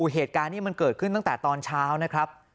เหตุการณ์นี้มันเกิดขึ้นตั้งแต่ตอนเช้านะครับ